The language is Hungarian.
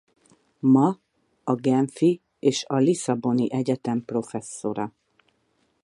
Ma a genfi és a lisszaboni egyetem professzora.